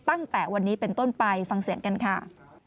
ตั้งแต่วันนี้เป็นต้นไปฟังเสียงกันค่ะ